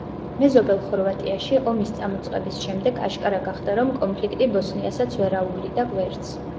მეზობელ ხორვატიაში ომის წამოწყების შემდეგ აშკარა გახდა, რომ კონფლიქტი ბოსნიასაც ვერ აუვლიდა გვერდს.